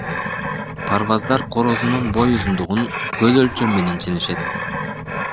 Парваздар корозунун бой узундугун көз өлчөм менен ченешет.